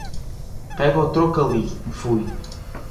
Pega o troco ali, fui